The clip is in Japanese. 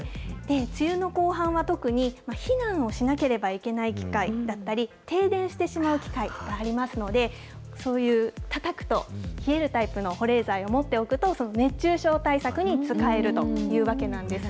梅雨の後半は、特に避難をしなければいけない機会だったり、停電してしまう機会がありますので、そういうたたくと冷えるタイプの保冷剤を持っておくと、熱中症対策に使えるというわけなんです。